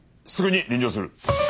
すぐに臨場する。